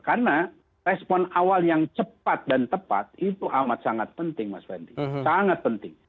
karena respon awal yang cepat dan tepat itu amat sangat penting mas fendi sangat penting